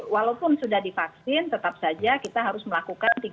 walaupun sudah divaksin tetap saja kita harus melakukan